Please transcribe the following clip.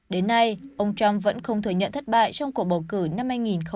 đến nay ông trump vẫn không thừa nhận thất bại trong cuộc bầu cử năm hai nghìn hai mươi